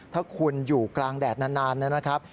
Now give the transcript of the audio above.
ถ้าคุณอยู่กลางแดดนานนะครับ